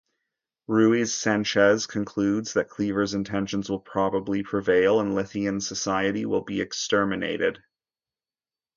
Ruiz-Sanchez concludes that Cleaver's intentions will probably prevail, and Lithian society will be exterminated.